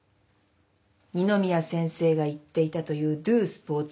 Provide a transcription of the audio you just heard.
二宮先生が行っていたというドゥ・スポーツプラザ